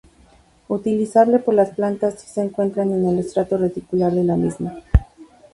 Utilizable por las plantas si se encuentra en el estrato reticular de la misma.